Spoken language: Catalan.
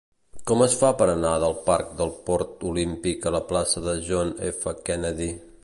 Com es fa per anar del parc del Port Olímpic a la plaça de John F. Kennedy?